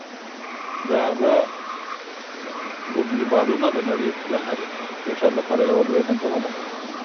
د هغه "ګوګلي" بالونه د نړۍ د هر بیټر لپاره یوه لویه ننګونه ده.